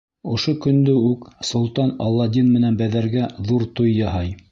Ошо көндө үк солтан Аладдин менән Бәҙәргә ҙур туй яһай.